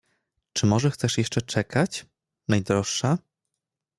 "Czy może chcesz jeszcze czekać, najdroższa?"